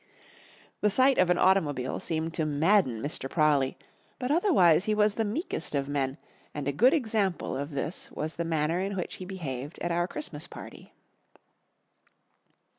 The sight of an automobile seemed to madden Mr. Prawley, but otherwise he was the meekest of men, and a good example of this was the manner in which he behaved at our Christmas party.